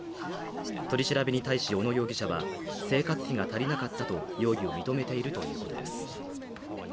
取り調べに対し小野容疑者は生活費が足りなかったと容疑を認めているということです。